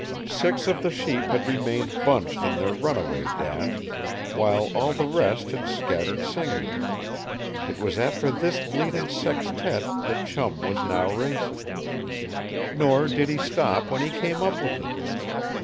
Six of the sheep had remained bunched in their runaway dash, while all the rest had scattered singly. It was after this bleating sextet that Chum was now racing. Nor did he stop when he came up with them.